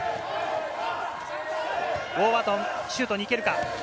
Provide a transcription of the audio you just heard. ウォーバートン、シュートにいけるか。